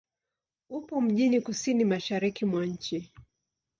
Upo mjini kusini-mashariki mwa nchi.